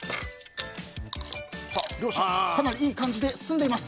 両者かなりいい感じで進んでいます。